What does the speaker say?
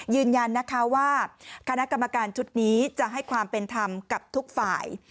ยืนยันนะคะว่าคณะกรรมการชุดนี้จะให้ความเป็นธรรมกับทุกฝ่าย